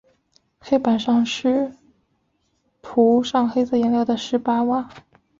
黑板是涂上黑色颜料的石板瓦。